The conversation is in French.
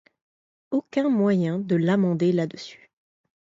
Aucun moyen de l’amender là-dessus.